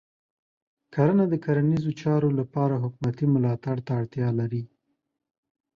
کرنه د کرنیزو چارو لپاره حکومتې ملاتړ ته اړتیا لري.